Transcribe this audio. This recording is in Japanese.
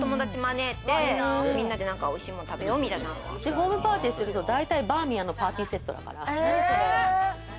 ホームパーティーするとき、うちバーミヤンのパーティーセットだから。